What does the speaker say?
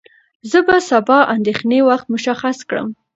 زه به سبا د اندېښنې وخت مشخص کړم.